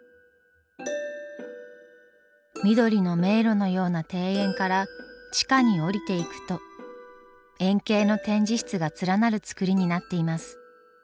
緑の迷路のような庭園から地下に下りていくと円形の展示室が連なる造りになっています。